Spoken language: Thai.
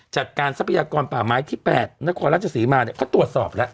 จัดการทรัพยากรป่าไม้ที่แปดนักขอรัชศรีมาเนี่ยเขาตรวจสอบแล้ว